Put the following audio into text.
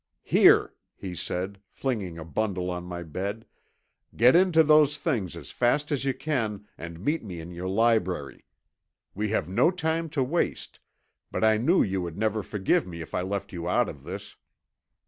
"Here," he said, flinging a bundle on my bed, "get into those things as fast as you can, and meet me in your library. We have no time to waste, but I knew you would never forgive me if I left you out of this."